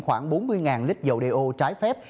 khoảng bốn mươi lít dầu đeo trái phép